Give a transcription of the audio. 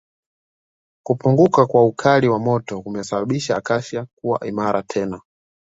Kupunguka kwa ukali wa moto kumesababisha Acacia kuwa imara tena